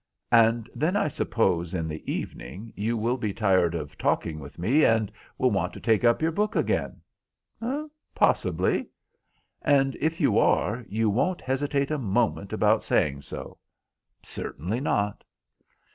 "And then I suppose in the evening you will be tired of talking with me, and will want to take up your book again." "Possibly." "And if you are, you won't hesitate a moment about saying so?" "Certainly not."